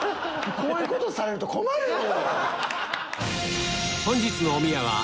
こういうことされると困るのよ！